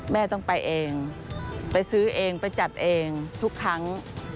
แม่ต้องไปเองไปซื้อเองไปจัดเองทุกครั้ง